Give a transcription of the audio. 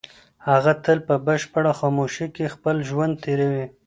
هغه تل په بشپړه خاموشۍ کې خپل ژوند تېروي.